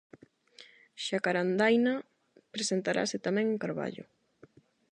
Xacarandaina presentarase tamén en Carballo.